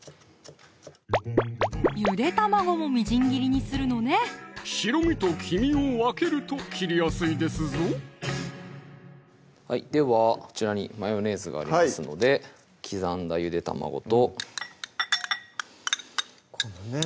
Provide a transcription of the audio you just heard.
ゆで卵もみじん切りにするのね白身と黄身を分けると切りやすいですぞではこちらにマヨネーズがありますので刻んだゆで卵とこのね